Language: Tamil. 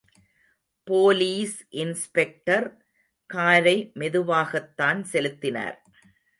போலீஸ் இன்ஸ்பெக்டர் காரை மெதுவாகத்தான் செலுத்தினார்.